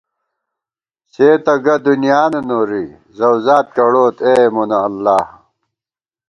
سے تہ گہ دنیانہ نوری، ذؤذات کڑوت اے مونہ اللہ